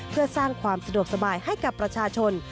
เพื่อสร้างความสะดวกสบายให้กับประชาชน